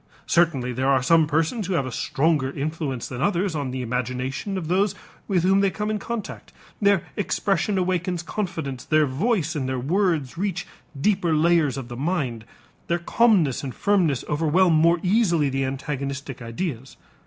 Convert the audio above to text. Certainly there are some persons who have a stronger influence than others on the imagination of those with whom they come in contact; their expression awakens confidence, their voice and their words reach deeper layers of the mind, their calmness and firmness overwhelm more easily the antagonistic ideas.